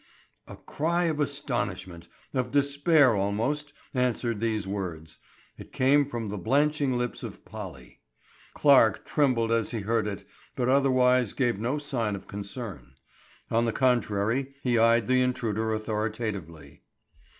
A cry of astonishment, of despair almost, answered these words. It came from the blanching lips of Polly. Clarke trembled as he heard it, but otherwise gave no sign of concern. On the contrary he eyed the intruder authoritatively.